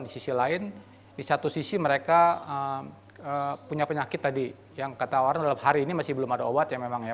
di sisi lain di satu sisi mereka punya penyakit tadi yang kata orang dalam hari ini masih belum ada obat ya memang ya